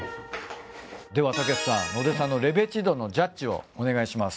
ではたけしさん野出さんのレベチ度のジャッジをお願いします。